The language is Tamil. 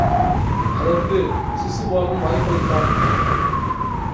அதற்குச் சிசுபாலன் வாய்ப்பளித்தான்.